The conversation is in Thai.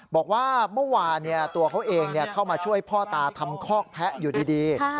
บอกว่าเมื่อวานตัวเขาเองเข้ามาช่วยพ่อตาทำคอกแพะอยู่ดี